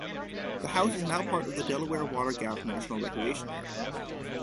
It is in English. The house is now part of the Delaware Water Gap National Recreation Area.